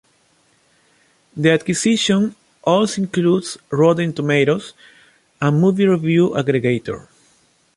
The acquisition also includes Rotten Tomatoes, a movie review aggregator.